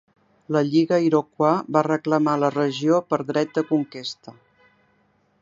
La Lliga Iroquois va reclamar la regió per dret de conquesta.